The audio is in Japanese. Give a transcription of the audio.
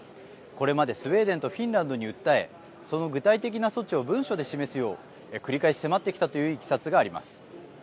これまで、スウェーデンとフィンランドに訴えその具体的な措置を文書で示すよう繰り返し迫ってきたといういきさつがあります。